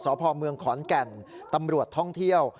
สพเมืองขอนแก่นตำรวจท่องเที่ยว